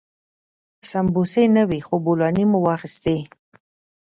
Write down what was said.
سمبوسې نه وې خو بولاني مو واخيستې.